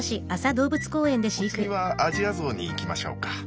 お次はアジアゾウにいきましょうか。